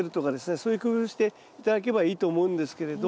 そういう工夫して頂けばいいと思うんですけれど。